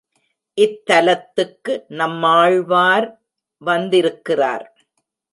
இத்தலத்துக்கு நம்மாழ்வார் வந்திருக்கிறார்.